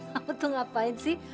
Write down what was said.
kamu tuh ngapain sih